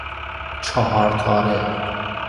چهار تاره